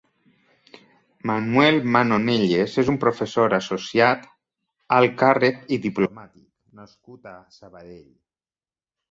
Manuel Manonelles és un professor associat, alt càrrec i diplomàtic nascut a Sabadell.